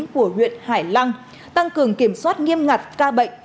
của huyện hải lăng tăng cường kiểm soát nghiêm ngặt ca bệnh